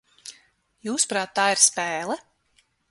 Jūsuprāt, tā ir spēle?